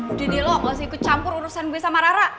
udah dia lo gak sih ikut campur urusan gue sama rara